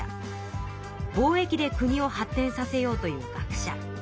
貿易で国を発展させようという学者。